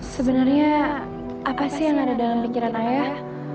sebenarnya apa sih yang ada dalam pikiran ayah